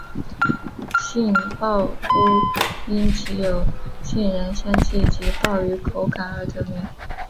杏鲍菇因其有杏仁香气及鲍鱼口感而得名。